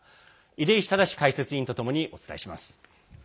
出石直解説委員とともにお伝えします。